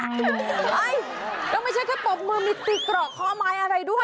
เฮ้ยแล้วไม่ใช่แค่ปรบมือมีตีเกราะเคาะไม้อะไรด้วย